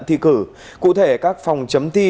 thi cử cụ thể các phòng chấm thi